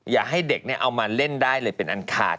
อย่าให้เด็กเอามาเล่นได้เลยเป็นอันขาด